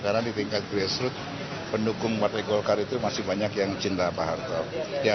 karena di tingkat grassroots pendukung partai golkar itu masih banyak yang cinta pak hartonya